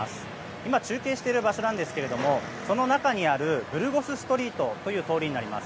今、中継している場所ですがその中にあるブルゴス・ストリートという通りになります。